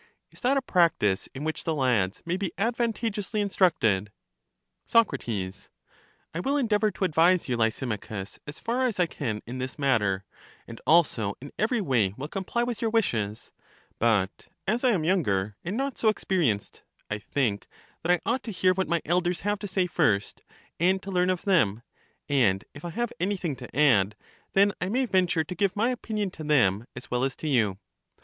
Is that a practice in which the lads may be advantageously instructed ? Soc, I will endeavor to advise you, Lysimachus, as LACHES 91 far as I can in this matter, and also in every way will comply with your wishes; but as I am younger and not so experienced, I think that I ought to hear what my elders have to say first, and to learn of them, and if I have anything to add, then I may venture to give my opinion to them as well as to you.